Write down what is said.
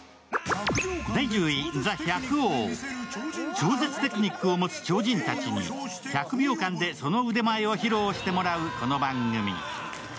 超絶テクニックを持つ超人たちに１００秒間でその腕前を披露してもらうこの番組。